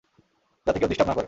যাতে কেউ ডিস্টার্ব না করে।